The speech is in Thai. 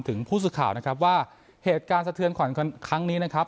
ถึงผู้สื่อข่าวนะครับว่าเหตุการณ์สะเทือนขวัญครั้งนี้นะครับ